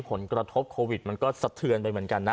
ผลกระทบโควิดมันก็สะเทือนไปเหมือนกันนะ